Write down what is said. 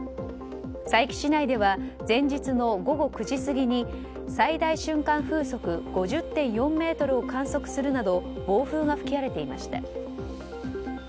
佐伯市内では前日の午後９時過ぎに最大瞬間風速５０．４メートルを観測するなど暴風が吹き荒れていました。